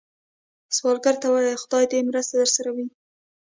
سوالګر ته ووايئ “خدای دې مرسته درسره وي”